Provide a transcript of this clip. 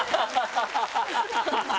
ハハハハ！